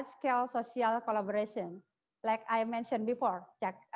seperti yang saya sebutkan sebelumnya